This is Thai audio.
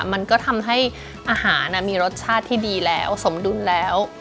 มันก็ทำให้อาหารมีรสชาติที่ดีแล้วสมดุลแล้ว